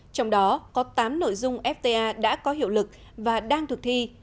trong đó có tám nội dung fta đã có hiệu lực và đang thực thi